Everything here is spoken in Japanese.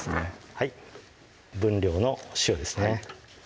はい分量のお塩ですね